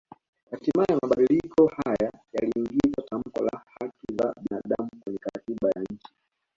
Hatimaye mabadiliko haya yaliingiza tamko la haki za binaadamu kwenye katiba ya nchi